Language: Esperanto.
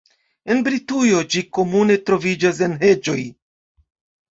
En Britujo ĝi komune troviĝas en heĝoj.